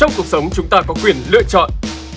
trong cuộc sống chúng ta có quyền lựa chọn